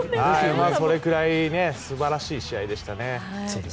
それくらい素晴らしい試合でしたね。